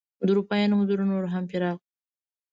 د اروپایانو حضور نور هم پراخ شو.